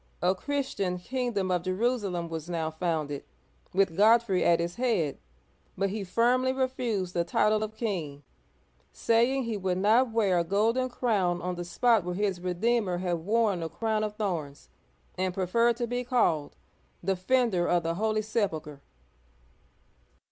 A Christian " Kingdom of Jerusalem " was now founded, with Godfrey at its head, but he firmly refused the title of king, saying he would not wear a golden crown on the spot where his Redeemer had worn a crown of thorns, and preferred to be called " Defender of the Holy Sepulcher."